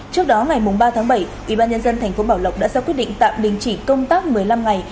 trước đó ngày ba tháng bảy ubnd tp bảo lộc đã ra quyết định tạm đình chỉ công tác một mươi năm ngày